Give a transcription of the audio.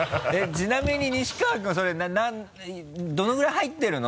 ちなみに西川君それどのぐらい入ってるの？